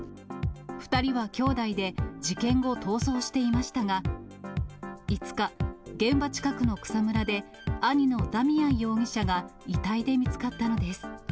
２人は兄弟で、事件後、逃走していましたが、５日、現場近くの草むらで、兄のダミアン容疑者が遺体で見つかったのです。